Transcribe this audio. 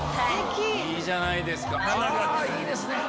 いいですね！